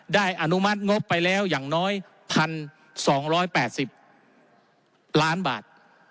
อนุมัติงบไปแล้วอย่างน้อย๑๒๘๐ล้านบาท